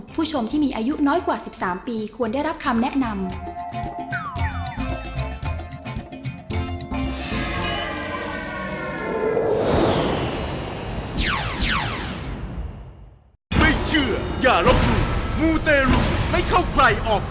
ผู้ชมที่มีอายุน้อยกว่า๑๓ปีควรได้รับคำแนะนำ